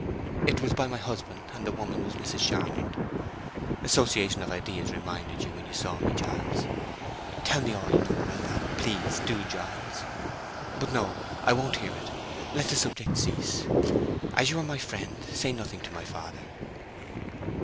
"It was by my husband, and the woman was Mrs. Charmond. Association of ideas reminded you when you saw me....Giles—tell me all you know about that—please do, Giles! But no—I won't hear it. Let the subject cease. And as you are my friend, say nothing to my father."